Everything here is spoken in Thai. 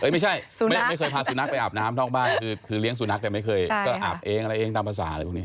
ไม่ใช่ไม่เคยพาสุนัขไปอาบน้ำท่องบ้านคือเลี้ยสุนัขแต่ไม่เคยก็อาบเองอะไรเองตามภาษาอะไรพวกนี้